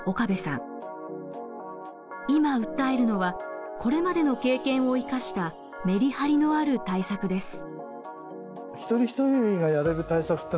今訴えるのはこれまでの経験を生かしたメリハリのある対策です。